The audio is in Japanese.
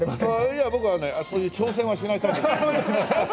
いや僕はねそういう挑戦はしないタイプ。